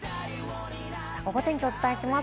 ゴゴ天気、お伝えします。